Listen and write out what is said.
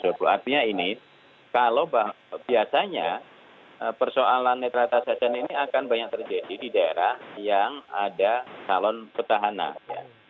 artinya ini kalau biasanya persoalan netralitas asn ini akan banyak terjadi di daerah yang ada salon petahana ya